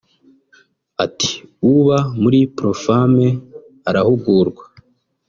Ati “Uba muri Pro-Femmes arahugurwa